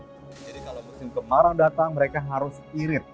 jadi kalau musim kemarau datang mereka harus irit